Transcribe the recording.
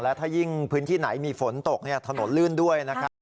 และถ้ายิ่งพื้นที่ไหนมีฝนตกถนนลื่นด้วยนะครับ